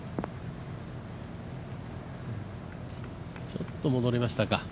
ちょっと戻りましたか。